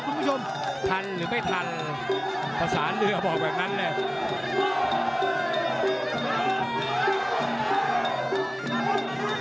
คุณผู้ชมทันหรือไม่ทันกระสานด้วยอ่ะบอกแบบนั้นแหละ